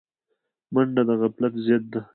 منډه د غفلت ضد ده